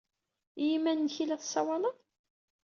I yiman-nnek ay la tessawaled?